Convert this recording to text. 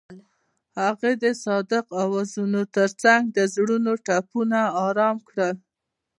هغې د صادق اوازونو ترڅنګ د زړونو ټپونه آرام کړل.